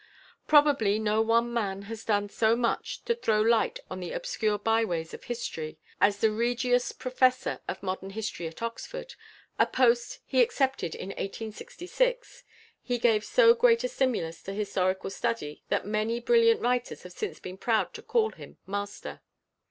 Probably no one man has done so much to throw light on the obscure by ways of history, and as Regius Professor of Modern History at Oxford, a post he accepted in 1866, he gave so great a stimulus to historical study that many brilliant writers have since been proud to call him "master."